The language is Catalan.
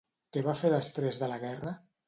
Què va fer després de la guerra?